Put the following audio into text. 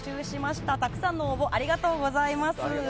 たくさんの応募ありがとうございます。